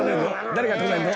誰が止めるの？